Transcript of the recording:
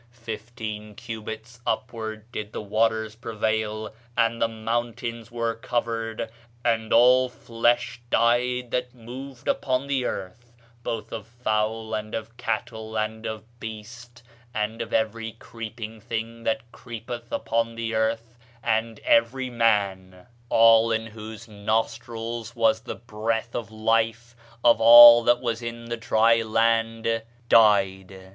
Fifteen cubits upward did the waters prevail; and the mountains were covered. And all flesh died that moved upon the earth, both of fowl, and of cattle, and of beast, and of every creeping thing that creepeth upon the earth, and every man: all in whose nostrils was the breath of life, of all that was in the dry land, died.